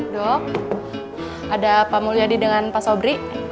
dok ada pak mulyadi dengan pak sobri